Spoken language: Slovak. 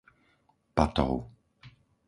Patov